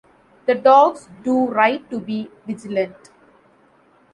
The dogs do right to be vigilant.